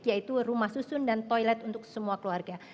yaitu rumah susun dan toilet untuk semua keluarga